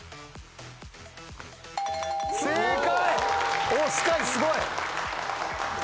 正解。